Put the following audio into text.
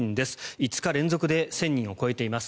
５日連続で１０００人を超えています。